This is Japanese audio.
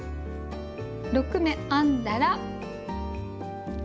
６目編んだら。